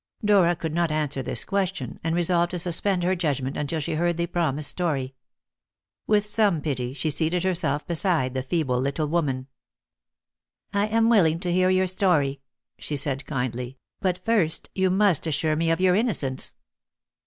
Dora could not answer this question, and resolved to suspend her judgment until she had heard the promised history. With some pity she seated herself beside the feeble little woman. "I am willing to hear your story," she said kindly; "but first you must assure me of your innocence."